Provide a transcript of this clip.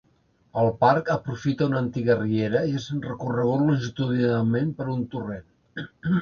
El parc aprofita una antiga riera i és recorregut longitudinalment per un torrent.